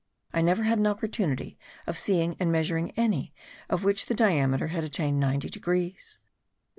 I never had an opportunity of seeing and measuring any* of which the diameter had attained 90 degrees.